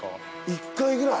１回くらい？